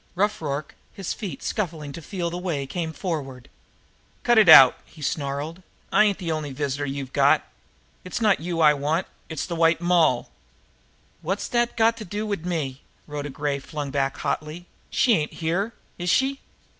Rough Rorke, his feet scuffling to feel the way, came forward. "Cut it out!" he snarled. "I ain't the only visitor you've got! It's not you I want; it's the White Moll." "Wot's dat got to do wid me?" Rhoda Gray flung back hotly. "She ain't here, is she?"